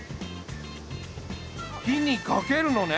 火にかけるのね。